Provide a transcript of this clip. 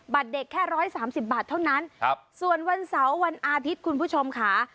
เด็กแค่๑๓๐บาทเท่านั้นส่วนวันเสาร์วันอาทิตย์คุณผู้ชมค่ะ